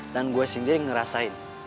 dan gue sendiri ngerasain